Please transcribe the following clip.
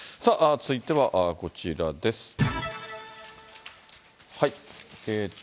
続いてはこちらです。